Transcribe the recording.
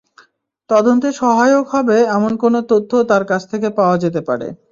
তদন্তে সহায়ক হবে এমন কোনো তথ্য তাঁর কাছ থেকে পাওয়া যেতে পারে।